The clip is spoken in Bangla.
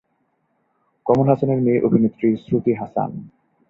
কমল হাসানের মেয়ে অভিনেত্রী শ্রুতি হাসান।